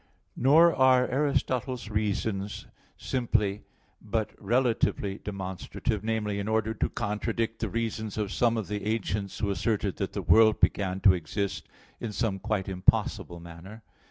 Nor are Aristotle's reasons (Phys. viii) simply, but relatively, demonstrative viz. in order to contradict the reasons of some of the ancients who asserted that the world began to exist in some quite impossible manner.